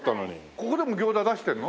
ここでも餃子出してるの？